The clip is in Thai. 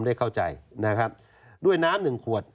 ได้เข้าใจนะครับด้วยน้ำหนึ่งขวด